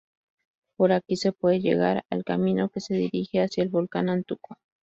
Por aquí se puede llegar al camino que se dirige hacia el volcán Antuco.